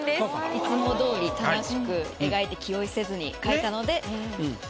いつもどおり楽しく描いて気負いせずに描いたので。